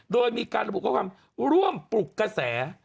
โดยมีการระบุข้อความร่วมปลุกกระแส